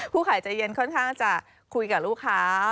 ขายใจเย็นค่อนข้างจะคุยกับลูกค้า